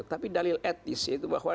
tapi dalil etis yaitu bahwa